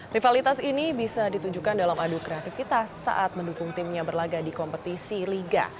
rivalitas ini bisa ditunjukkan dalam adu kreativitas saat mendukung timnya berlaga di kompetisi liga